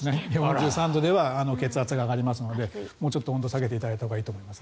４３度では血圧が上がりますのでもうちょっと下げていただきたいと思います。